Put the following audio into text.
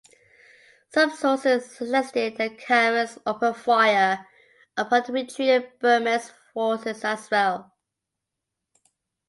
Some sources suggested the Karens opened fire upon the retreating Burmese forces as well.